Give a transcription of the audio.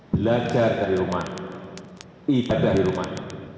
belajar dari rumah ibadah di rumah